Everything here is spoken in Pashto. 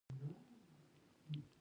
خدا به دې ِغوټېو کې